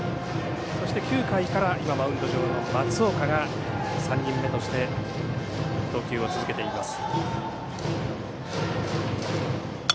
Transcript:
そして９回から今、マウンド上の松岡が３人目として投球を続けています。